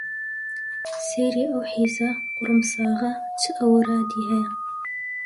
سەیری ئەو حیزە قوڕمساغە چ ئەورادی هەیە